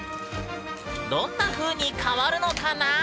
どんなふうに変わるのかなあ？